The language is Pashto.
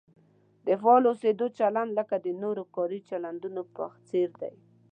د فعال اوسېدو چلند لکه د نورو کاري چلندونو په څېر دی.